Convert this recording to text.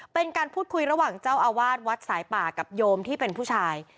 เป็นการพูดคุยระหว่างเจ้าอาวาสวัดสายป่ากับโยมที่เป็นผู้ชาย